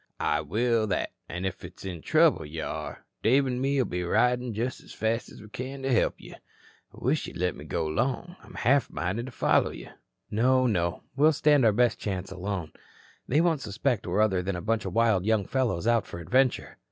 "I will that. An' if it's in trouble you are, Dave an' me'll be ridin' just as fast as we can to help you. Wish you'd let me go 'long. I'm half minded to follow you." "No, no. We'll stand our best chance alone. They won't suspect we're other than a bunch of wild young fellows out for adventure."